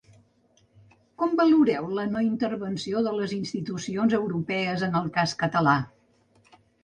Com valoreu la no-intervenció de les institucions europees en el cas català?